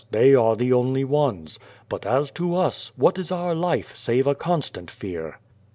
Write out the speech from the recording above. They are the only ones. But as to us, what is our life save a constant fear?"